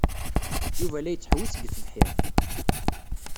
Yuba la yettḥewwis deg tebḥirt.